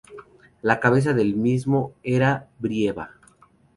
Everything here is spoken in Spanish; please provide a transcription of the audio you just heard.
La cabeza del mismo era Brieva.